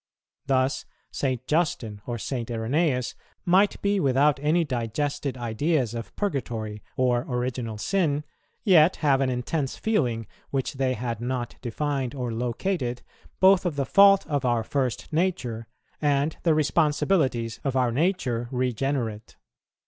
Thus, St. Justin or St. Irenæus might be without any digested ideas of Purgatory or Original Sin, yet have an intense feeling, which they had not defined or located, both of the fault of our first nature and the responsibilities of our nature regenerate.